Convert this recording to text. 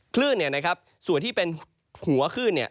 คลื่นส่วนที่เป็นหัวคลื่นเนี่ย